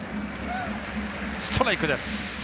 ストライクです。